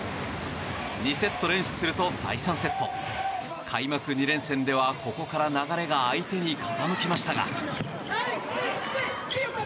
２セット連取すると、第３セット開幕２連戦ではここから流れが相手に傾きましたが。